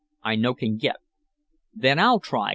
"I no can git." "Then I'll try!"